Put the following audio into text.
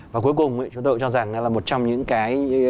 và cuối cùng chúng tôi cũng cho rằng là một trong những cái